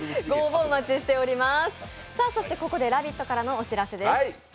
ここで「ラヴィット！」からのお知らせです。